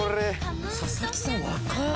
佐々木さん若っ！